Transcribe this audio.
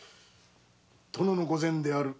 殿の御前である。